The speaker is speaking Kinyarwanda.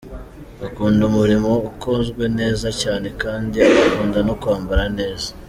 Akunda umurimo ukozwe neza cyane kandi agakunda no kwambara neza.